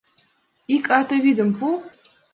Ик ате вӱдым пу.